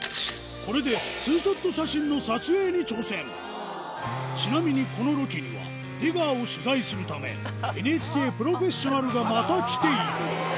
これでちなみにこのロケには出川を取材するためＮＨＫ『プロフェッショナル』がまた来ている『Ｐｒｏｇｒｅｓｓ』